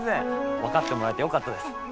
分かってもらえてよかったです。